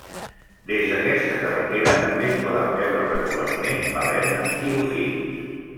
Des d’aquesta carretera també es poden veure regularment balenes i dofins.